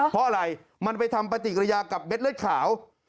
เพราะอะไรมันไปทำปฏิกิริยากับเม็ดเลือดขาว